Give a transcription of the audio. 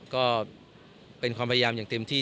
ก็เป็นความพยายามอย่างเต็มที่